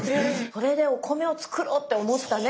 それでお米を作ろうって思ったね